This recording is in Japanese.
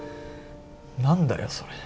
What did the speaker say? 何だよそれ。